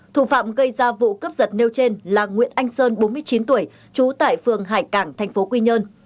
thủ phạm gây ra vụ cướp giật nêu trên là nguyễn anh sơn bốn mươi chín tuổi trú tại phường hải cảng tp quy nhơn